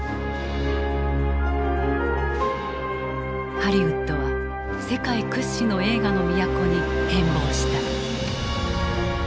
ハリウッドは世界屈指の映画の都に変貌した。